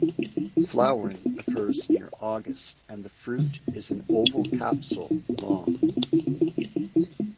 Flowering occurs near August and the fruit is an oval capsule long.